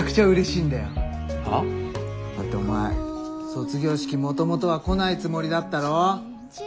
だってお前卒業式もともとは来ないつもりだったろ。